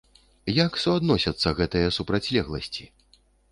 Як суадносяцца гэтыя супрацьлегласці?